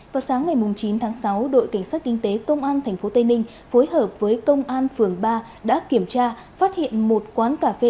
vào sáng ngày chín tháng sáu đội cảnh sát kinh tế công an tp tây ninh phối hợp với công an phường ba đã kiểm tra phát hiện một quán cà phê